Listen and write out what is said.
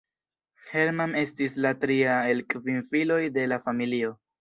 Hermann estis la tria el kvin filoj de la familio.